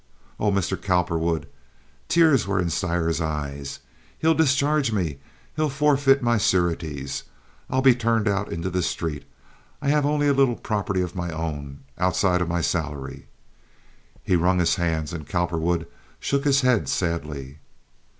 "Oh, Mr. Cowperwood!" Tears were in Stires's eyes. "He'll discharge me! He'll forfeit my sureties. I'll be turned out into the street. I have only a little property of my own—outside of my salary!" He wrung his hands, and Cowperwood shook his head sadly.